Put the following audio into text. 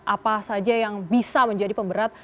apa saja yang bisa menjadi pemberat